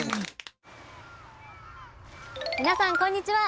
皆さんこんにちは。